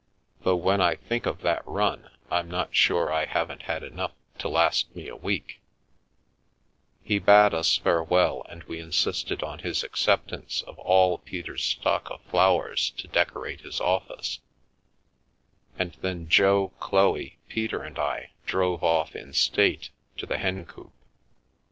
Though when I think of that run I'm not sure I haven't had enough to last me a week I' 9 He bade us farewell and we insisted on his acceptance of all Peter's stock of flowers to decorate his office, and then Jo, Chloe, Peter and I drove off in state to the Hencoop.